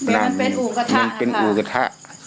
มันเป็นอู่กระทะมันเป็นอู่กระทะ